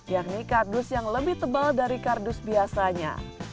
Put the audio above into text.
yakni kardus yang lebih tebal dari kardus biasanya